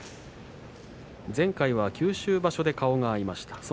前回は九州場所で顔が合いました。